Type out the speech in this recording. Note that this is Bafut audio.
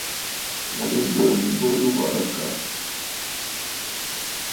À lɛ biinə bo yu warə̀ àkàà.